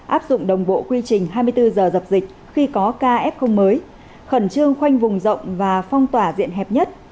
áp dụng đồng bộ quy trình hai mươi bốn giờ dập dịch khi có caf mới khẩn trương khoanh vùng rộng và phong tỏa diện hẹp nhất